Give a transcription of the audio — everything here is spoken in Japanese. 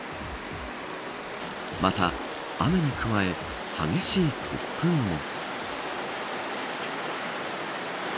また、雨に加え激しい突風も。